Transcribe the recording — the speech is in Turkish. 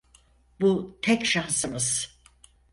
Bu tek şansımız.